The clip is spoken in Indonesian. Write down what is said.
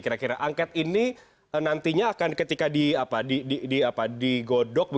kira kira angket ini nantinya akan ketika digodok